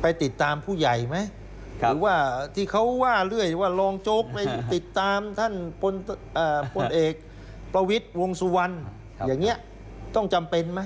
ไปติดตามผู้ใหญ่ไหมหรือว่าที่เขาว่าเรื่อยว่ารองโจ๊กไปติดตามท่านพลเอกประวิทย์วงสุวรรณอย่างนี้ต้องจำเป็นไหม